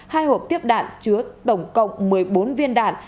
hai hộp tiếp đạn chứa tổng cộng một mươi bốn viên đạn